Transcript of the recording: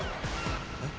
えっ？